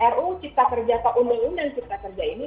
ru cipta kerja atau undang undang cipta kerja ini